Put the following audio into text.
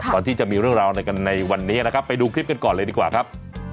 ก่อนที่จะมีเรื่องราวอะไรกันในวันนี้นะครับไปดูคลิปกันก่อนเลยดีกว่าครับ